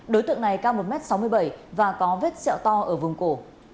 đối tượng này cao một m sáu mươi bảy và có vết xẹo to ở vùng cổ